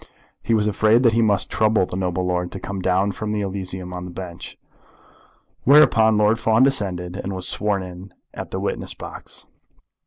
He was afraid that he must trouble the noble lord to come down from the Elysium of the bench. Whereupon Lord Fawn descended, and was sworn in at the witness box.